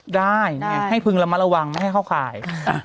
ได้ให้พึงระมัดระวังไม่ให้เข้าข่าย